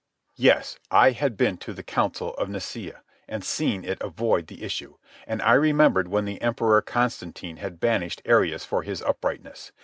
Yes, I had been to the Council of Nicea, and seen it avoid the issue. And I remembered when the Emperor Constantine had banished Arius for his uprightness.